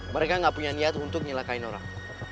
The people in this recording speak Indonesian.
mereka ga punya niat untuk nyalakain orang